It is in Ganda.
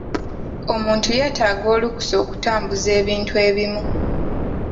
Omuntu yeetaaga olukusa okutambuza ebintu ebimu.